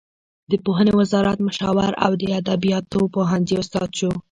د پوهنې وزارت مشاور او د ادبیاتو پوهنځي استاد شو.